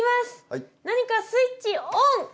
何かスイッチオン！